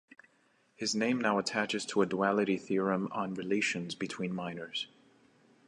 His name now attaches to a duality theorem on relations between minors.